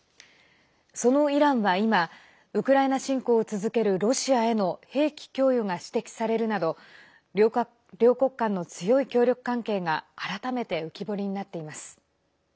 そのイランは、今ウクライナ侵攻を続けるロシアへの兵器供与が指摘されるなど両国間の強い協力関係が改めて浮き彫りになっています。